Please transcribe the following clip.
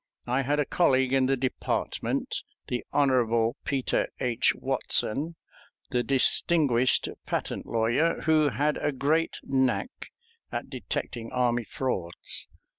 I had a colleague in the department, the Hon. Peter H. Watson, the distinguished patent lawyer, who had a great knack at detecting army frauds.